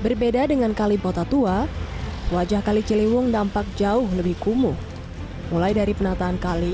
berbeda dengan kalim kota tua wajah kali ciliwung dampak jauh lebih kumuh mulai dari penataan kali